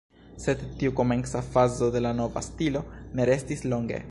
Sed tiu komenca fazo de la nova stilo ne restis longe.